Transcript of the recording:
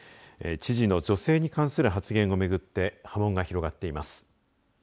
知事の女性に関する発言をめぐって波紋が広がっています。